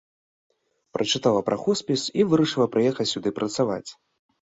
Прачытала пра хоспіс і вырашыла прыехаць сюды працаваць.